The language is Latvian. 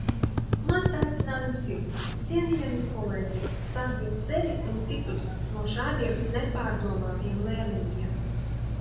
Mans aicinājums ir: cienījamie kolēģi, sargiet sevi un citus no šādiem nepārdomātiem lēmumiem!